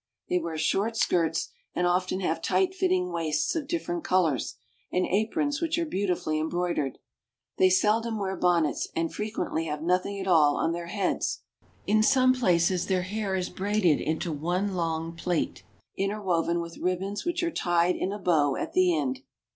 They wear short skirts, and often have tight fitting waists of different colors, and aprons which are beautifully embroid ered. They seldom wear bonnets, and frequently have ON THE LOWER DANUBE. 3OI nothing at all on their heads. In some places their hair is braided into one long plait interwoven with ribbons which are tied in a bow at the end.